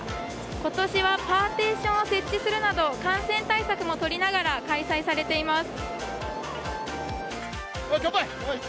今年はパーティーションを設置するなど感染対策を取りながら開催されています。